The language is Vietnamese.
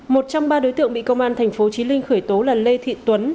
một trong ba đối tượng bị công an thành phố trí linh khởi tố là lê thị tuấn